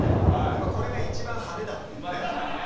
やっぱこれが一番派手だっていうね。